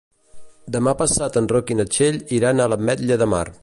Demà passat en Roc i na Txell iran a l'Ametlla de Mar.